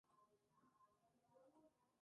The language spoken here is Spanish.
Así termina el episodio.